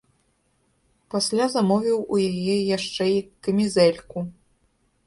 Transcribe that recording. Пасля замовіў у яе яшчэ і камізэльку.